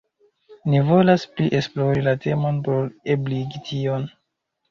Ni volas pli esplori la temon por ebligi tion.